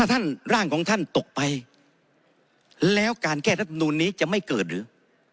ท่านร่างของท่านตกไปแล้วการแก้รัฐมนูลนี้จะไม่เกิดหรือ